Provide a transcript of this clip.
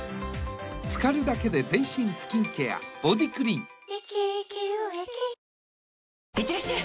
ニトリいってらっしゃい！